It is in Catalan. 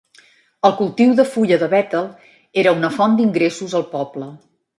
El cultiu de fulla de Betel era una font d'ingressos al poble.